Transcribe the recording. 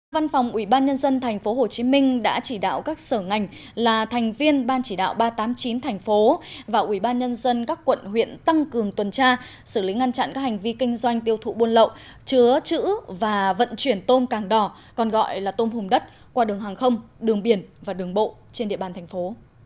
văn phòng ubnd tp hcm đã chỉ đạo các sở ngành là thành viên ban chỉ đạo ba trăm tám mươi chín tp và ubnd các quận huyện tăng cường tuần tra xử lý ngăn chặn các hành vi kinh doanh tiêu thụ buôn lậu chứa chữ và vận chuyển tôm càng đỏ còn gọi là tôm hùm đất qua đường hàng không đường biển và đường bộ trên địa bàn thành phố